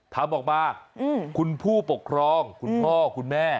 ทำออกมาคุณผู้ปกครองคุณพ่อคุณแม่